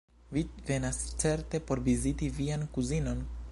Vi venas certe por viziti vian kuzinon?